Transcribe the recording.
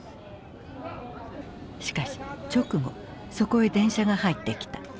しかし直後そこへ電車が入ってきた。